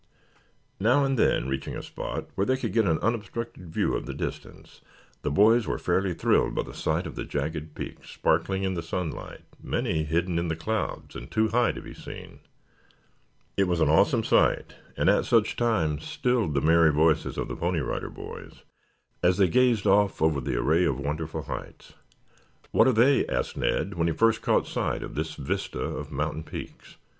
Now and then reaching a spot where they could get an unobstructed view of the distance the boys were fairly thrilled by the sight of the jagged peaks, sparkling in the sunlight, many hidden in the clouds and too high to be seen. It was an awesome sight and at such times stilled the merry voices of the Pony Rider Boys as they gazed off over the array of wonderful heights. "What are they?" asked Ned when he first caught sight of this vista of mountain peaks.